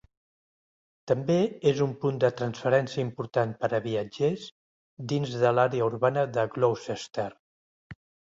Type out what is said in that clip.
També és un punt de transferència important per a viatgers dins de l'àrea urbana de Gloucester.